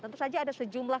tentu saja ada sejumlah